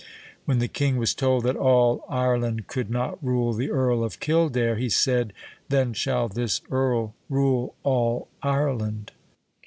When the king was told that all Ireland could not rule the Earl of Kildare, he said, then shall this earl rule all Ireland.